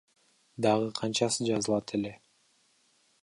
Дагы канчасы жазылат эле.